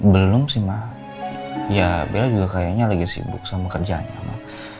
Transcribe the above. belum sih ma ya bella juga kayaknya lagi sibuk sama kerjanya ma